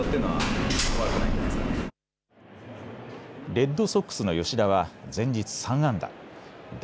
レッドソックスの吉田は前日３安打。